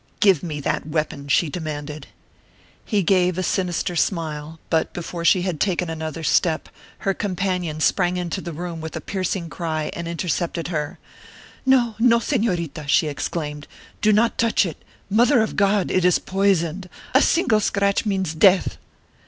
"Give me that weapon!" she demanded. He gave a sinister smile, but before she had taken another step, her companion sprang into the room with a piercing cry and intercepted her: "No, no, Señorita!" she exclaimed; "do not touch it! Mother of God! it is poisoned; a single scratch means death!"